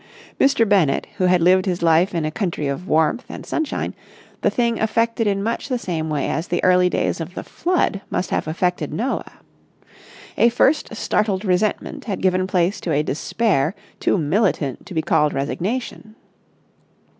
Mr. Bennett, who had lived his life in a country of warmth and sunshine, the thing affected in much the same way as the early days of the Flood must have affected Noah. A first startled resentment had given place to a despair too militant to be called resignation.